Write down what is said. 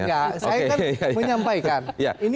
saya kan menyampaikan